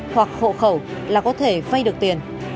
hoặc hộ khẩu là có thể vay được tiền